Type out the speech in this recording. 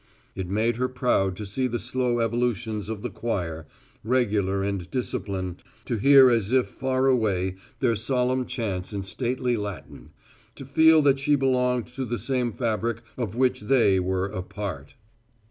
It made her proud to see the slow evolutions of the choir, regular and disciplined, to hear as if far away their solemn chants in stately Latin, to feel that she belonged to the same fabric of which they were a part.